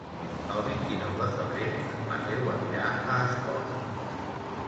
El vint-i-nou de febrer en Mateu anirà a Espot.